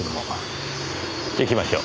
行きましょう。